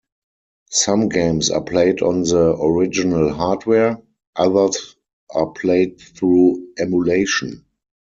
Some games are played on the original hardware; others are played through emulation.